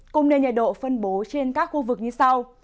cùng nền nhiệt độ phân bố trên các khu vực như sau